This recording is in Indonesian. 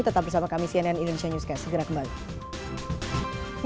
tetap bersama kami cnn indonesia newscast segera kembali